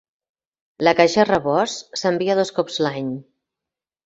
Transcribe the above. La caixa "rebost" s'envia dos cops l'any.